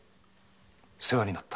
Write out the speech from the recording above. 世話になった。